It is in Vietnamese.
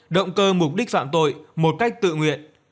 động cơ mục đích phạm tội một cách tự nguyện